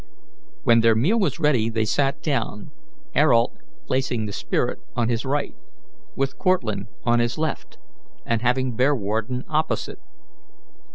When their meal was ready they sat down, Ayrault placing the spirit on his right, with Cortlandt on his left, and having Bearwarden opposite.